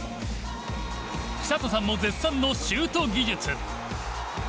寿人さんも絶賛のシュート技術。